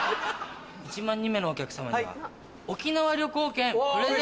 １万人目のお客様には沖縄旅行券プレゼントです！